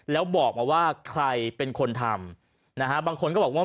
แล้วบอกมาว่าใครเป็นคนทำนะฮะบางคนก็บอกว่า